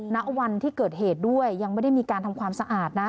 ณวันที่เกิดเหตุด้วยยังไม่ได้มีการทำความสะอาดนะ